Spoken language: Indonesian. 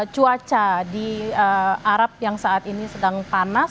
cuaca di arab yang saat ini sedang panas